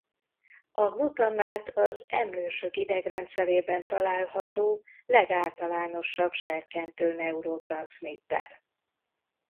A glutamát az emlősök idegrendszerében található legáltalánosabb serkentő neurotranszmitter.